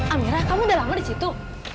amira kamu udah lama disitu